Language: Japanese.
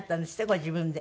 ご自分で。